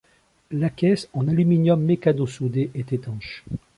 La caisse en aluminium mécano-soudé est étanche.